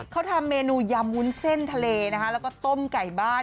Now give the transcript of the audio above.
เขาทำเมนูยำวุ้นเส้นทะเลนะคะแล้วก็ต้มไก่บ้าน